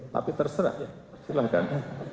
tapi terserah silahkan